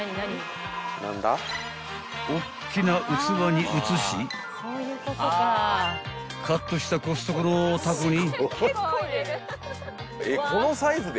［おっきな器に移しカットしたコストコのタコに］